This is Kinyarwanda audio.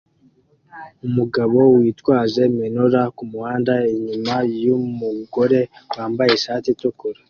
Umugabo yitwaje menorah kumuhanda inyuma yumugore wambaye ishati itukura